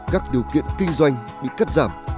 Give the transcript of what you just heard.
các điều kiện kinh doanh bị cắt giảm